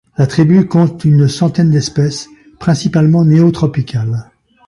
La tribu compte une centaine d'espèces principalement néotropicales.